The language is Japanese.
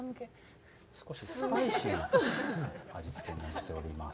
少しスパイシーな味付けになっております。